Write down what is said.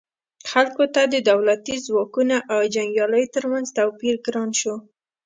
خلکو ته د دولتي ځواکونو او جنګیالیو ترمنځ توپیر ګران شو.